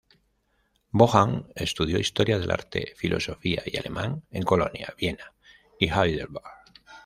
Boehm estudió Historia del Arte, Filosofía y Alemán en Colonia, Viena y Heidelberg.